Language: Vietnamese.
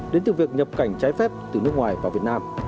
đến từ việc nhập cảnh trái phép từ nước ngoài vào việt nam